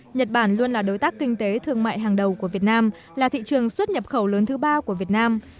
nhật bản luôn là đối tác kinh tế thương mại hàng đầu của việt nam là thị trường xuất nhập khẩu lớn thứ ba của việt nam